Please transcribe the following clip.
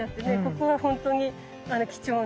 ここがほんとに貴重な。